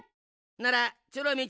ならチョロミー